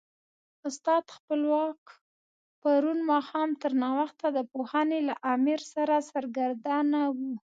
استاد خپلواک پرون ماښام تر ناوخته د پوهنې له امر سره سرګردانه و.